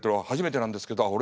初めてなんですけど。